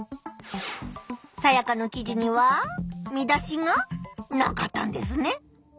サヤカの記事には見出しがなかったんですね。